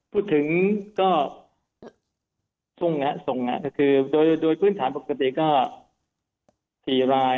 พูดถึงก็ทรงก็คือโดยพื้นฐานปกติก็๔ราย